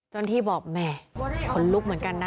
ที่บอกแหมขนลุกเหมือนกันนะ